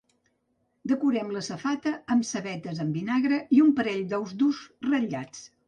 Decorem la safata amb cebetes amb vinagre i un parell d’ous durs ratllats.